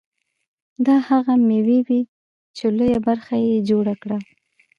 دا هغه مېوې وې چې لویه برخه یې جوړه کړه.